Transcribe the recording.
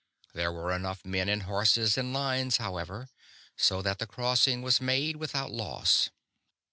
There were enough men and horses and lines, however, so that the crossing was made without loss.